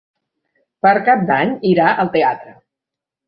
Per Cap d'Any irà al teatre.